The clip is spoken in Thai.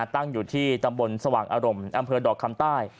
ตั้งอยู่ที่ตำบลสว่างอารมณ์อำเภอดอกคำใต้